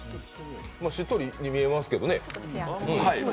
しっとりに見えますけどね。